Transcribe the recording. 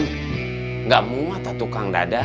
nggak muat ah tukang dada